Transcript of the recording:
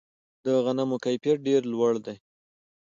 د غنمو کیفیت ډیر لوړ دی.